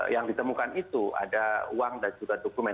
yang ditemukan itu ada uang dan juga dokumen